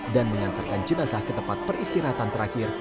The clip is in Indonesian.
dan mengantarkan jenazah ke tempat peristirahatan terakhir